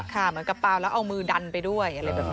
เหมือนกระเป๋าแล้วเอามือดันไปด้วย